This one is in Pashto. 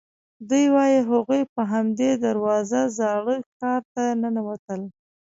دوی وایي هغوی په همدې دروازو زاړه ښار ته ننوتل.